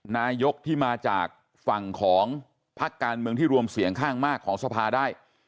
นายกที่มาจากฝั่งของพักการเมืองที่รวมเสียงข้างมากของสภาได้